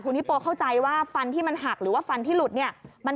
ฮิโปเข้าใจว่าฟันที่มันหักหรือว่าฟันที่หลุดเนี่ย